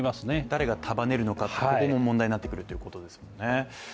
誰が束ねるのかというのも問題になってくるということですよね。